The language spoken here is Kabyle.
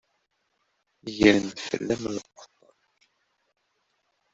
Gren-d fell-am lbaṭel.